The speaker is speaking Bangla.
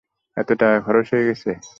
এত টাকা খরচ হয়ে গেছে?